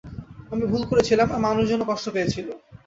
আমি ভুল করেছিলাম, আর মানুষজনও কষ্ট পেয়েছিল।